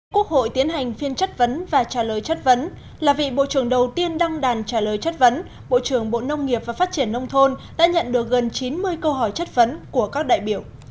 quốc hội tiến hành phiên chất vấn và trả lời chất vấn là vị bộ trưởng đầu tiên đăng đàn trả lời chất vấn bộ trưởng bộ nông nghiệp và phát triển nông thôn đã nhận được gần chín mươi câu hỏi chất vấn của các đại biểu